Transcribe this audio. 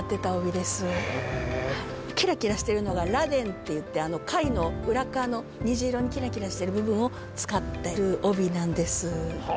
キラキラしてるのは螺鈿といって貝の裏側の虹色にキラキラしてる部分を使ってる帯なんです